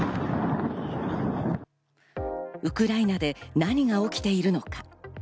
ウクライナで何が起きているのか。